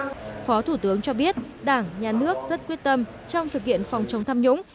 phó thủ tướng cho biết đảng nhà nước rất quyết tâm trong thực hiện phòng chống tham nhũng